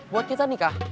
buat kita nikah